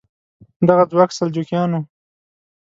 دغه ځواک سلجوقیان وو.